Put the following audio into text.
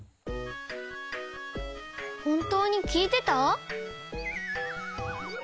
ほんとうにきいてた？